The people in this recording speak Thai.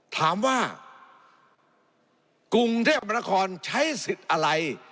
ถามว่ากรุงเทพมนครใช้สิทธิ์อะไร